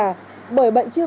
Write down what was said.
bởi bệnh chưa có tính mạng